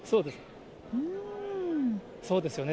そうですよね、